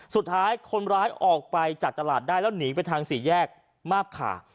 สุดท้ายคนร้ายออกไปจากตลาดได้แล้วหนีไปทางสี่แยกมาบขา